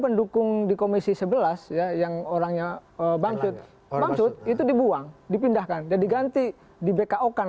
pendukung di komisi sebelas ya yang orangnya bangkit bangsut itu dibuang dipindahkan dan diganti di bko kan